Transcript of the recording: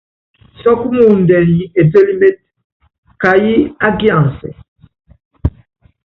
Sɔ́k muundɛ nyi etélíméte káyií ákiansɛ?